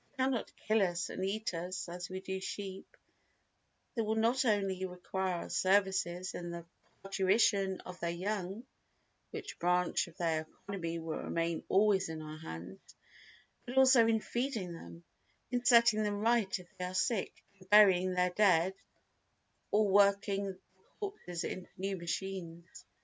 They cannot kill us and eat us as we do sheep, they will not only require our services in the parturition of their young (which branch of their economy will remain always in our hands) but also in feeding them, in setting them right if they are sick, and burying their dead or working up their corpses into new machines.